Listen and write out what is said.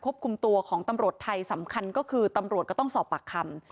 คุมตัวของตำรวจไทยสำคัญก็คือตำรวจก็ต้องสอบปากคำ